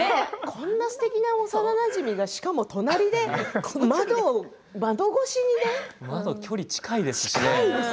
こんなすてきな幼なじみが、しかも隣で窓、距離近いですしね。